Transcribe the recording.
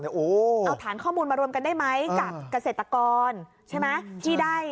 เอาฐานข้อมูลมารวมกันได้ไหมกับเกษตรกรใช่ไหมที่ได้